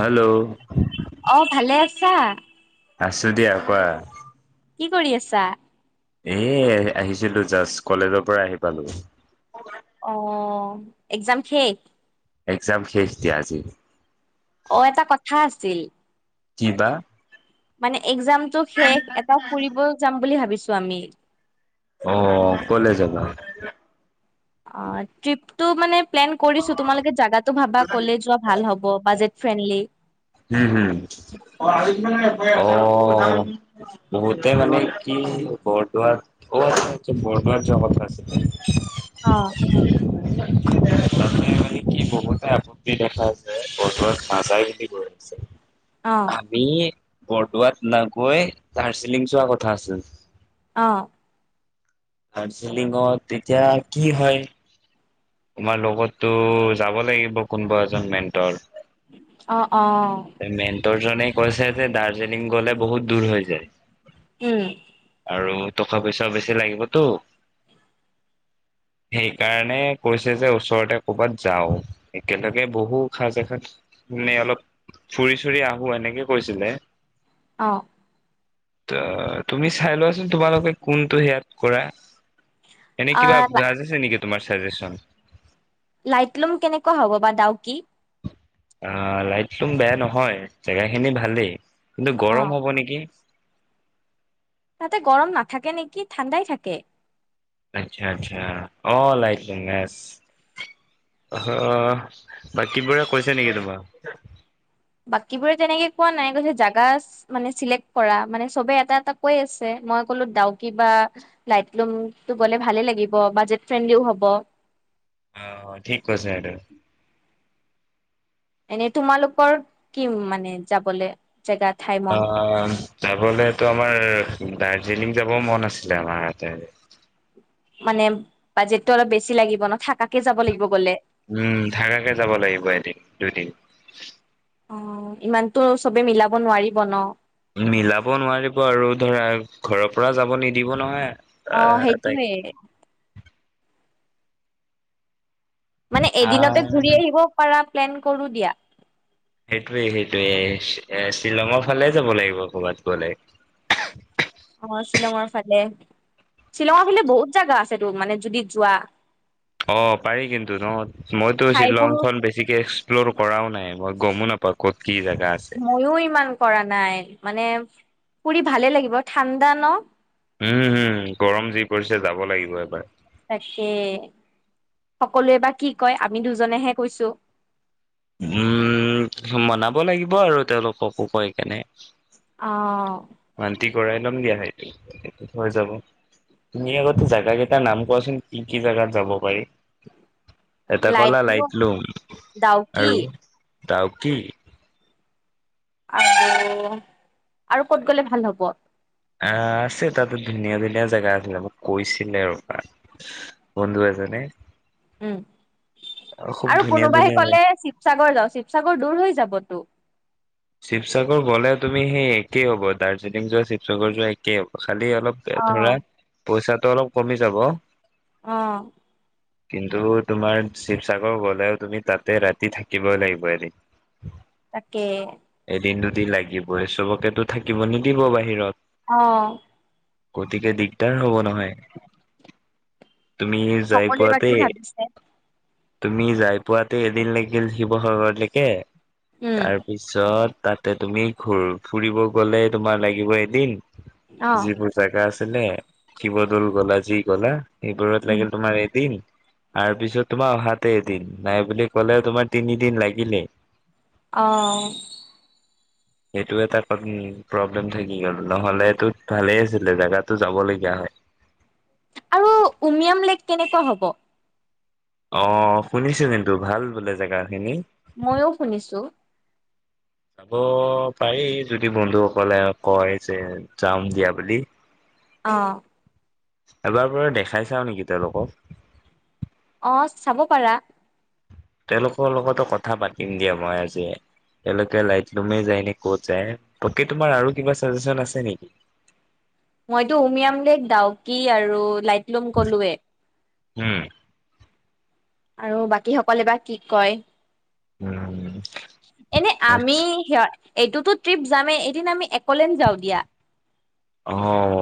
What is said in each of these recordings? Hello অ ভালে আছে। আছা। আছো দিয়া কোৱা। কি কৰি আছা। এ আহিছিলো জাষ্ট কলেজৰ পৰা আহি পালো। অ একজাম শেষ। একজাম শেষ দিয়া আজি। অ এটা কথা আছে। [unintelligible] কিবা মানে, এক্সামটো শেষ এটা ফুৰিব যাম বুলি ভাবিছোঁ। স্বামী। অ কলৈ যাবা। অ' টিপ। টো মানে। প্লেন কৰিছো। তোমালোকে জাগাটো ভাবা ক'লে যোৱা ভাল হ'ব। Budget friendly. উম, উম অ' বহুতে মানে কি বৰদোৱাত অ' আছে বৰদোৱাত যোৱাৰ কথা আছিল। অ। তাতে মানে কি বহুতে আপত্তি দেখাছে বৰদোৱাত নেযায় বুলি কয়। পিছে। অ আমি। বৰদোৱাত নাগৈ দাৰ্জিলিং যোৱা কথা আছিল। অ'। দাৰ্জিলিঙত তেতিয়া কি হয়। তোমাৰ লগতো যাব লাগিব কোনোবা এজন মেন্টৰ। অ 'অ' জুনে কৈছে যে দাৰ্জিলিং গ'লে বহুত দূৰ হৈ যায়। উম আৰু টকা পইচা বেছি লাগিবতো। সেইকাৰণে, কৈছে যে ওচৰতে কৰ'ৰবাত যাওঁ, একেলগে বহু সাজ এসজ মানে অলপ ফুৰি চুৰি আহো এনেকে কৈছিলে। অ' ত' তুমি চাই লোৱাচোন, তোমালোকে কোনটো সেয়াত কৰা। এনেই কিবা আহ বাজিছে নেকি? তোমাৰ ছাজেচন। লাইটলুম কেনেকুৱা হ'ব বা দাউকি। আহ লাইটলোম বেয়া নহয় জেগা খিনি ভালেই। কিন্তু অ গৰম হ'ব নেকি? তাতে গৰম নাথাকে নেকি ঠাণ্ডাই থাকে। আচ্ছা আচ্ছা অ লাইটছ [unintelligible] আহ বাকীবোৰে কৈছে নেকি তোমাক বাকীবোৰে তেনেকে কোৱা নাই কৈছে জাগা মানে চিলেক্ট কৰা মানে চবে এটা এটা কৈ আছে মই কলো ডাউকি বা লাইটলাম গলে ভালে লাগিব বাজেট ফ্ৰেণ্ডলিও হ'ব অ ঠিক কছে সটো। এ তোমালোকৰ কিম মানে যাবলে জেগা থাইমন আহ যাবলেতো আমাৰ দাৰ্জিলিং যাব মন আছিলে আমাৰ ইয়াতে মানে বাজেট টো অলপ বেছি লাগিব ন, থাকাকে যাব লাগিব গ'লে উম থাকাকে যাব লাগিব এদিন দুদিন অ ইমানতো চবে মিলাব নোৱাৰিব ন। মিলাব নোৱাৰিব আৰু ধৰা ঘৰৰ পৰা যাব নিদিব নহয়। অ আহ তাইক সেইটোৱে। মানে আহ এদিনতে ঘূৰি আহিব পাৰা প্লেন কৰোঁ দিয়া। সেইটোয়ে সেইটোয়ে এ শ্বিলঙৰ ফালে যাব লাগিব ক'বাত গলে। অ শ্বিলঙৰ ফালে শ্বিলঙৰ ফালে বহুত জাগা আছেতো মানে যদি যোৱা। অ পাৰি কিন্তু ন মইতো ঠাইবোৰো শ্বিলংখন বেছিকে এক্সপ্ল'ৰ কৰাও নাই মই গমো নপাও কত কি জেগা আছে ময়ো ইমান কৰা নাই। মানে ফুৰি ভালে লাগিব ঠাণ্ডা ন। উম হম গৰম যি পৰিছে যাব লাগিব এবাৰ। তাকে সকলোৱে বা কি কয় আমি দুজনেহে কৈছো। উম মনাব লাগিব আৰু তেওঁলোককো কৈ কেনে। অ মান্তি কৰাই ল'ম দিয়া সেইটো হৈ যাব, তুমি আগতে জাগা কেইটাৰ নাম কোৱাচোন কি কি জাগাত যাব পাৰি। এটা কলা লাইটলুম লাইট লুং ডাউকি আৰু? ডাউকী আহ আৰু ক'ত গ'লে ভাল হব আহ আছে তাতে ধুনীয়া ধুনীয়া জেগা আছিলে মোক কৈছিলে ৰবা আৰু বন্ধু এজনে। উম খুব আৰু ধুনীয়া কোনোবাইে ধুনীয়া জে কলে শিৱসাগৰ যাওঁ, শিৱসাগৰ দূৰ হৈ যাবতো। শিৱসাগৰ গ'লে তুমি সেই একেই হ'ব দাৰ্জিলিং যোৱা শিৱসাগৰ যোৱা একেই হ'ব। খালি অলপ অ ধৰা পইচাত টো অলপ কমি যাব। আহ কিন্তু তোমাৰ শিৱসাগৰ গলেও তুমি তাতে ৰাতি থাকিবই লাগিব এদিন। তাকে দু দিন লাগিবই চবকেতো থাকিব নিদিব বাহিৰত। অ গতিকে দিগদাৰ হব নহয়। তুমি যাই সকলোৱে বা কি পোৱাতে ভাবিছে তুমি যাই পোৱাতে এদিন লাগিল শিৱসাগৰলৈকে। উম। ত তাতে তুমি ঘূৰি ফুৰিব গলে তোমাৰ লাগিব এদিন। অ যিবোৰ জাগা আছে। শিৱদৌল গ'লা যি গ'লা। এইবোৰত উম লাগিল তোমাৰ এদিন। তাৰ পিছত তোমাৰ অহাতে এদিন নাই বুলি কলে তোমাৰ তিনিদিন লাগিলেই। অ'। সেইটো এটা প্ৰব্লেম থাকি গ'ল নহলেতটো ভালেই আছিলে জেগাটো যাব লগীয়া হয়। আৰু উমিয়াম লেক কেনেকুৱা হ'ব? অ' শুনিছো কিন্তু ভাল বোলে জেগা খিনি। ময়ো শুনিছো। যাব পাৰি যদি বন্ধুসকলে কয় যে যাম দিয়া বুলি। অ', এবাৰ বাৰু দেখাই চাও নেকি তেওঁলোকক? অ' চাব পাৰা। তেওঁলোকৰ লগতো কথা পাতিম দিয়া মই আজি তেওঁলোকে লাইটলুমে যায় নে ক'ত যায়। বাকী তোমাৰ আৰু কিবা চাজেচন আছে নেকি? মইতো উমিয়াম লেক ডাউকি আৰু লাই লুম কলোৱে উম। আৰু বাকী সকলে বা কি কয়। উম, এনে আমি আচ্ছা সিহঁত এইটোতো ট্ৰিপ যামেই এদিন আমি একলেন্দ যাওঁ দিয়া। অ'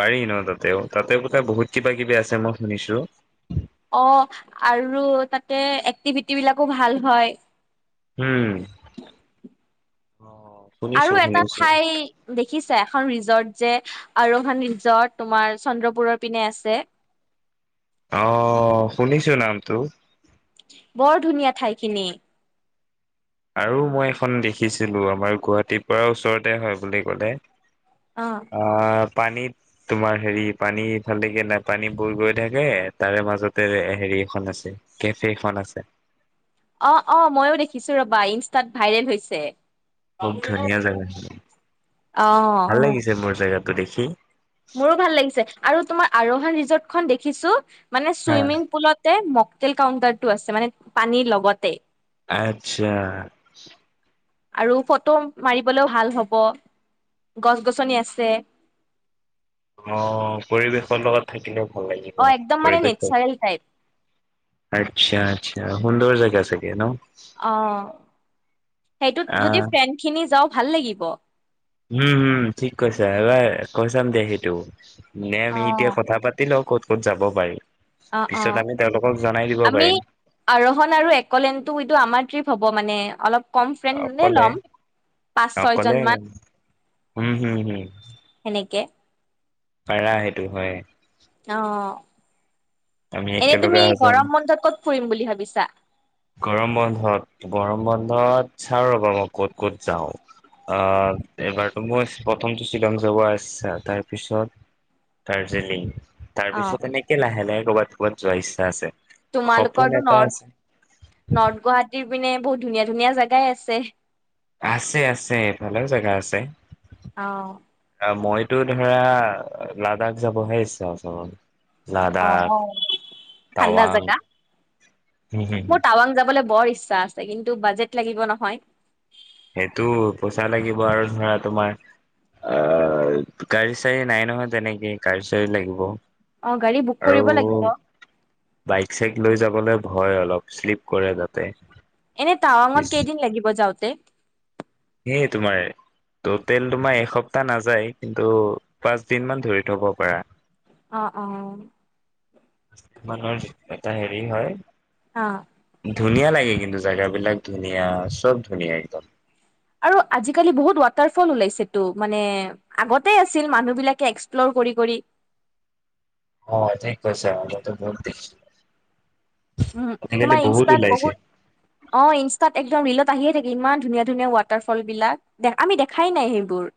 পাৰি ন তাতেও তাতে বোলে বহুত কিবা কিবি আছে মই শুনিছো। অ' আৰু তাতে এক্টিভিটি বিলাকো ভাল হয়। উম। অ', আৰু শুনিছো এটা শুনিছো ঠাই দেখিছে এখন ৰিজৰ্ট যে আৰোহন ৰিজৰ্ট তোমাৰ চন্দ্ৰপুৰৰ পিনে আছে। আহ শুনিছো নামটো। বৰ ধুনীয়া ঠাইখিনি। আৰু মই এখন দেখিছিলো আমাৰ গুৱাহাটীৰ পৰা ওচৰতে হয় বুলি কলে অ আহ পানীত তোমাৰ হেৰি পানীফালেকে নাই পানী বুৰ গৈ থাকে তাৰে মাজতে হেৰি এখন আছে কেফেখন আছে। অ-অ মইয়ো দেখিছো ৰবা ইনষ্টাত ভাইৰেল হৈছে। খুব ধুনীয়া জেগা অ ভাল লাগিছে মোৰ জেগাত গতিসী মোৰো ভাল লাগিছে আৰু তোমা আৰোহান ৰিজৰ্টখন দেখিছো। মানে হা চুইমিং পুলতে তেল কাউণ্টাৰটো আছে মানে পানীৰ লগতে, আচ্ছা, আৰু ফটো মাৰিবলৈও ভাল হ'ব গছ-গছনি আছে। অ পৰিৱেশৰ লগত থাকিলেও। ভাল লাগিব অ একদম মানে নেচাৰেল টাইপ আচ্ছা-আচ্ছা হুন্দজা যেগাছেকে ন অ সেইটোত আহ যদি ফ্ৰেণ্ড খিনি যাওক, ভাল লাগিব। উম হম ঠিক কৈছা এইবাৰ কৈ চাম দে সেইটো নে অ আমি এতিয়া কথা পাতিল ল ক'ত-ক'ত যাব বাৰি অ-অ আমি পাৰিম আৰোহণ আৰু একলেনটো এইটো আমাৰ ট্ৰিপ হ'ব মানে, অলপ কম ফ্ৰেণ্ডনে অকলে ল'ম পাঁচ অকলে ছয়জন মান, হম হম হম পাৰা সেইটো হয়। আহ! আমি এনে তুমি একেলগে যাম গৰম মন্ধত কত ফুৰিম বুলি ভাবি বিছা গৰম বন্ধত গৰম বন্ধত চাওঁ ৰ'বা মই ক'ত ক'ত যাওঁ, আহ এইবাৰতো মই প্ৰথমটো শ্বিলং যাব আচ্ছা তাৰপিছত দাৰ্জিলিং। অ তাৰপিছত এনেকে লাহে--লাহে [unintelligible] যোৱা ইিছা আছে তোমাল ক সপোন এটা আছে নৰ্থ গুৱাহাটীৰ পিনে বহুত ধুনীয়া-ধুনীয়া জোগাই আছে। আছে-আছে ভালেও জেগা আছে অ', আহ মই তটো ধৰা লাডাখ যাবহে ইচ্ছা ম অ ঠাণ্ডা জাগা মোৰ টাৱাং যাবলৈ বৰ ইচ্ছা আছে কিন্তু বাজেট লাগিব নহয় [inaudible] সেইটো পইচা লাগিব আৰু ধৰা তোমাৰ আহ গাড়ী চাৰড়ী নাই নহয় তেনেকে গাড়ি চাৰি লাগিব [inaudible] অ' গাড়ী বুক আৰু কৰিব লাগিব বাইক চাইক লৈ যাবলৈ ভয় অলপ শ্লিপ কৰে তাতেই। এনেই টাৱাঙত কেইদিন লাগিব যাওঁতে? তে সেই তোমাৰে টটেল তোমাৰ এসপ্তাহ নাযায় কিন্তু পাঁচ দিন মান ধৰি থব পাৰা। অ', অ'। মানুহৰ এটা হেৰি হয়। অ'। ধুনীয়া লাগে কিন্তু জাগাবলাক ধুনীয়া, চব ধুনীয়া একদম। আৰু আজিকালি বহুত ৱাটাৰফল ওলাইছেটো মানে আগতে আছিল মানুহ বিলাকে এক্সপ্লৰ কৰি কৰি অ', ঠিক কৈছে আগতে [unintelligible] উম, তোমাৰ ইনষ্টাত বহুত, অ', ইনষ্টাত একদম ৰিলত আহিয়ে থাকে ইমান ধুনীয়া ধুনীয়া ৱাটাৰ ফল বিলাক, দে আমি দেখাই নাই সেইবোৰ।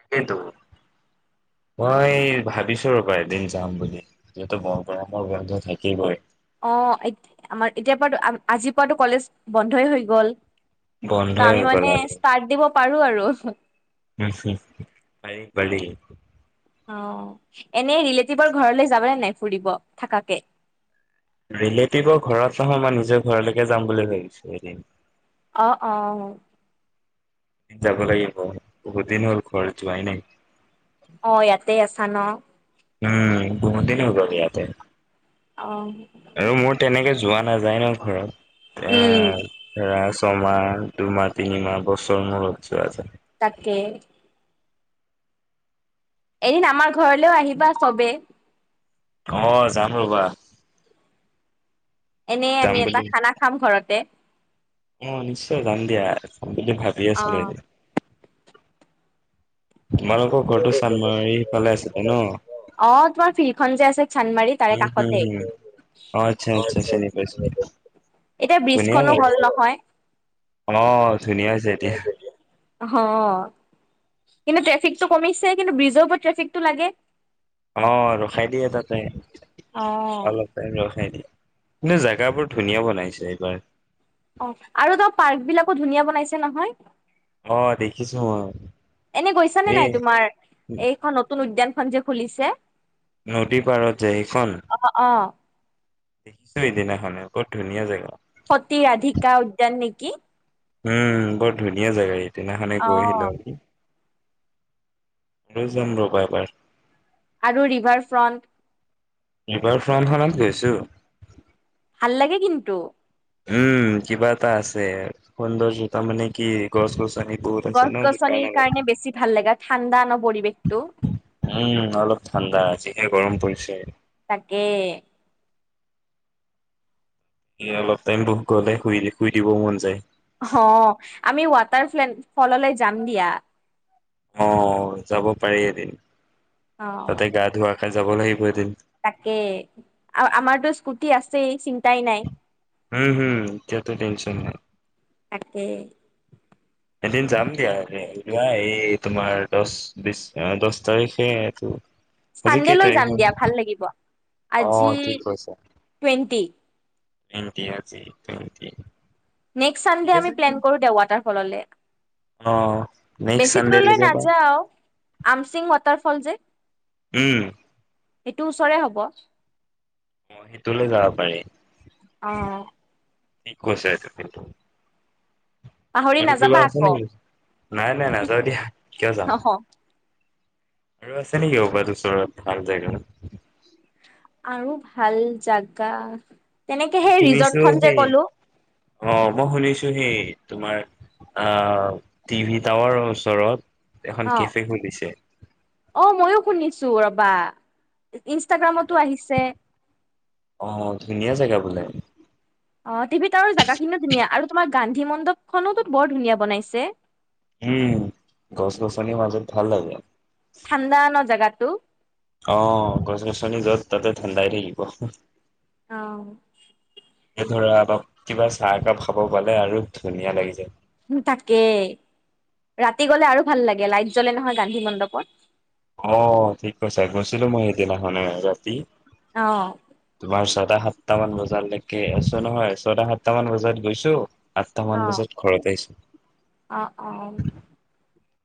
তাকেইতো, মই ভাবিছো ৰ'বা এদিন যাম বুলি, যিহেতু বৰ গৰমৰ বন্ধ থাকিবয়ে। অ', আমাৰ এতিয়াৰ পৰা, আজিৰ পৰাতো কলেজ বন্ধই হৈ গ'ল। ত' বন্ধই আমি হৈ মানে গল আৰু, ষ্টাৰ্ট দিব পাৰো আৰু পাৰি পাৰি। অ', এনেই ৰিলেটিভৰ ঘৰলৈ যাবানে নাই ফুৰিব, থাকাকে। ৰিলেতিভৰ ঘৰত নহয়, মই নিজৰ ঘৰলৈকে যাম বুলি ভাবিছো এদিন। অ', অ'। যাব লাগিব, বহুত দিন হ'ল ঘৰ যোৱাই নাই। অ', ইয়াতেই আছা ন? উম, বহুত দিন হৈ গল ইয়াতে। অ'। আৰু মোৰ তেনেকে যোৱা নাযায় ন ঘৰত। উম, [unintelligible] তোমাৰ, দুমা তিনিমা বছৰ মূৰত যোৱা যায়। তাকে। এদিন আমাৰ ঘৰলেওঁ আহিবা চবেই। অ', যাম ৰ'বা। এনেই যাম আমি এটা বুলি খানা খাম ঘৰতে। অ', নিশ্চয় যাম দিয়া। বুলি ভাবি আছিলো অ', এদিন। তোমালোকৰ ঘৰতো চানমাৰিফালে আছিল অ', ন অ', তোমাৰ ফিল্ডখন যে আছে চান্দমাৰি তাৰে উম, হুম, কাষতেই। হুম। অ', আচ্ছা, আচ্ছা চিনি পাইছো। এতিয়া ব্ৰীজখনো হল নহয়। আহ ধুনীয়া হৈছে এতিয়া অ কিন্তু ট্ৰেফিকটো কমিছে কিন্তু ব্ৰিজৰ ওপৰত ট্ৰেফিকটো লাগে অ ৰখাই দিয়ে তাতে অ', অলপ টাইম ৰখাই দিয়ে কিন্তু জোগাবোৰ ধুনীয়া বনাইছে এইবাৰ অ আৰু তাৰ পাৰ্ক বিলাকো ধুনীয়া বনাইছে নহয় অ', দেখিছো মই। এনে গৈছানে এই নাই তোমাৰ এইখন নতুন উদ্যান খখন যে খুলিছে নদী পাৰত যোয় সখন অ অ দেখিছো এইদিনাখনে বহু ধুনীয়া জগা সতী ৰাধিকা উদ্যান নেকি উম বৰ ধুনীয়া জাগা এই তেনাখনে অ কৈ আহিলো আৰুি যাম ৰব এবাৰ আৰু ৰিভাৰ ফ্ৰণ্ট এইবাৰ ফ্ৰণ্টখনত গৈছো ভাল লাগে কিন্তু উম কিবা এটা আছে সুন্দৰ্য জোতা মানে কি গছ গছ গছ গছনিৰ কাৰণে বেছি ভাল লাগে ঠাণ্ডা ন পৰিৱেশটো স গৰম পৰিছে তাকে এ অলপ টাইম দুখ গ'লে শুই শুই দিবও মন যায় হ আমি ৱাটাৰ ফ্লে ফললৈ যাম দিয়া অ যাব পাৰি এদিন অ তাতে গা ধুৱা খাই যাব লাগিবৈ দিম তাকে আৰু আমাৰতো স্কুটি আছেই চিন্তাই নাই উম হুম কত টেচন নাই তাকে এদিন যাম দিয়া যোৱা এই তোমাৰ দহ বিশ দহ তাৰিখে এইটো আজি চানডে কেই লৈ তাৰিখ যাম হ'ল দিয়া ভাল লাগিব অ আজি ঠিক টুৱেণ্টি টেণ্টি আজি টুৱেণ্টি নেক্সট চানডে আমি প্লেন কৰো দে ৱাটাৰফললে অ নেক্সট বেছি চানডে দূৰলৈ লৈকে বা নাযাও আমচিং ম তাৰ ফল যে উম সেইটো ওচৰে হব অ সেইটোলৈ যাব পাৰি অ কি কৈছা এটো কিন্তু। পাহৰি আৰু কিবা নাযাবা আছে আকৌ। নেকি নাই নাই, নাযাওঁ দিয়া। কিয় যাম আহ অ'। আৰু আছে নেকি [unintelligible] ওচৰত, ভাল জেগা। আৰু ভাল জাগা এনেকে মই সেই শুনিছো ৰিজৰ্টখন যে সেই ক'লো অ', মই শুনিছো সেই, তোমাৰ আহ, টিভি টাৱাৰৰ ওচৰত এখন অ কেফে খুলিছে। অ ময়ো শুনিছোঁ। চুব [unintelligible] ইনষ্টাগ্ৰামতো আহিছে। আহ ধুনীয়া জেগা বোলে। অ টিভিত আৰু জেগা খিনিও ধুনীয়া আৰু তোমাৰ। গান্ধী মণ্ডপ খনো তো বৰ ধুনীয়া বনাইছে। উম গছ গছনি মাজত ভাল লাগে। ঠাণ্ডা ন জেগাত। টো [unintelligible] অ গছ গছনি য'ত তাতে ঠাণ্ডাই থাকিব। অ এই ধৰা বা কিবা চাহ একাপ খাব পালে আৰু ধুনীয়া লাগি যায়। তাকেই ৰাতি গ'লে আৰু ভাল লাগে লাইট জ্বলে নহয় গান্ধী মণ্ডপত। অ ঠিক কৈছা গৈছিলোঁ মই সেইদিনাখনে ৰাতি। আহ তোমাৰ ছটা সাতটা মান বজালৈকে আছোঁ নহয় ছটা সাতটা মান বজাত গৈছোঁ। আঠটামান অ বজাত ঘৰত আহিছোঁ। অ অ। অ [unintelligible]